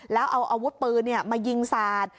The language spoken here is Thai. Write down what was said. แล้วเอาอวุธปืนเนี่ยมายิงสาด